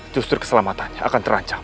justru keselamatannya akan terancam